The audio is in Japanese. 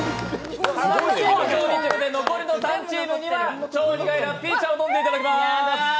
残りの３チームには超苦いラッピー茶を飲んでいただきます。